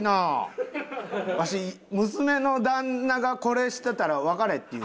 わし娘の旦那がこれしてたら「別れ」って言う。